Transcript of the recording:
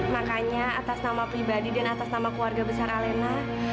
makanya atas nama pribadi dan atas nama keluarga besar alena